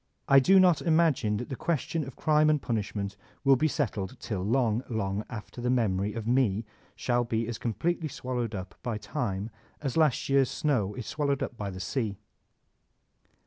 I do not imagine that the ques tion of crime and punishment will be settled till long, long after the memory of me shall be as completely swallowed up by time as last year's snow is swallowed by the sea.